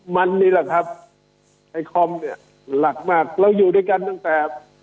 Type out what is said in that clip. มันนี่แหละครับไอ้คอมเนี่ยหลักมากเราอยู่ด้วยกันตั้งแต่